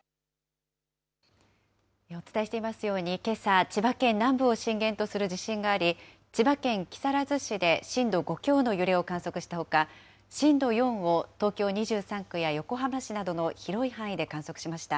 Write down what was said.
お伝えしていますように、けさ、千葉県南部を震源とする地震があり、千葉県木更津市で震度５強の揺れを観測したほか、震度４を東京２３区や横浜市などの広い範囲で観測しました。